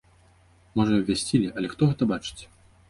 Можа, і абвясцілі, але хто гэта бачыць?